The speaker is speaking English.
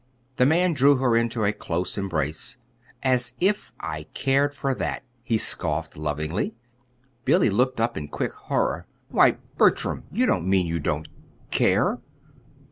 The man drew her into a close embrace. "As if I cared for that," he scoffed lovingly. Billy looked up in quick horror. "Why, Bertram, you don't mean you don't care?"